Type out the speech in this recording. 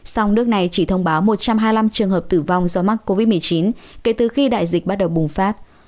song nước này chỉ thông báo một trăm hai mươi năm trường hợp tử vong do mắc covid một mươi chín kể từ khi đại dịch bắt đầu bùng phát